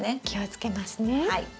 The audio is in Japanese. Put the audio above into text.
気をつけますね。